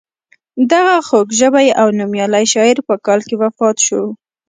دغه خوږ ژبی او نومیالی شاعر په کال کې وفات شو.